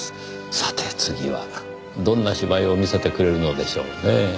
さて次はどんな芝居を見せてくれるのでしょうねぇ。